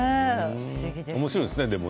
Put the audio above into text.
おもしろいですよね。